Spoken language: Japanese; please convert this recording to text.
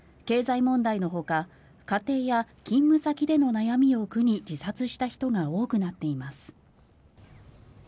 経済問題のほか家庭や勤務先での悩みを苦に自殺した人が多くなっています。